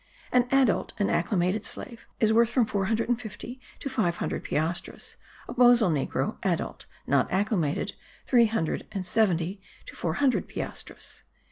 An adult and acclimated slave is worth from four hundred and fifty to five hundred piastres; a bozal negro, adult, not acclimated, three hundred and seventy to four hundred piastres.